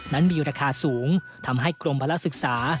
นั้นมีราคาสูงทำให้กรมพลักษึกษา